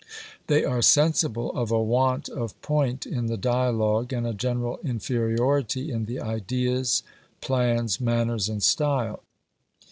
They are sensible of a want of point in the dialogue and a general inferiority in the ideas, plan, manners, and style.